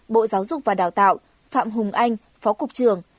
bộ giáo dục và đào tạo phạm hùng anh phó cục trưởng